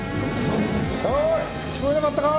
おい聞こえなかったか？